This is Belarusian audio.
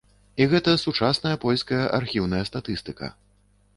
І гэта сучасная польская архіўная статыстыка.